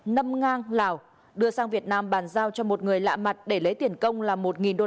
nâm ngang lào đưa sang việt nam bàn giao cho một người lạ mặt để lấy tiền công là một usd